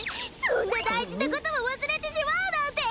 そんなだいじなこともわすれてしまうなんて！